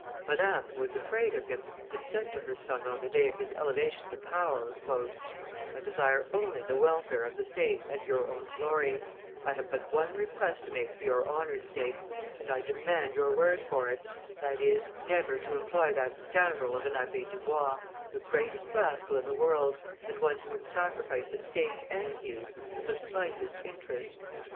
Madame, who was afraid of him, had said to her son on the day of his elevation to power, "I desire only the welfare of the state and your own glory; I have but one request to make for your honor's sake, and I demand your word for it, that is, never to employ that scoundrel of an Abbe Dubois, the greatest rascal in the world, and one who would sacrifice the state and you to the slightest interest."